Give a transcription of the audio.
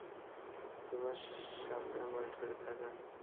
তোর সামনের মনিটরে তাকা!